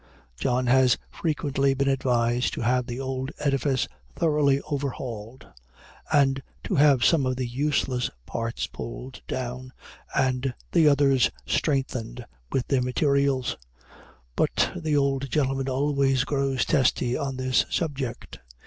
John has frequently been advised to have the old edifice thoroughly overhauled; and to have some of the useless parts pulled down, and the others strengthened with their materials; but the old gentleman always grows testy on this subject.